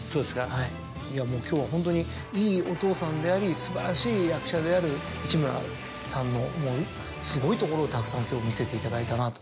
はいもう今日はホントにいいお父さんであり素晴らしい役者である市村さんのすごいところをたくさん今日見せていただいたなと。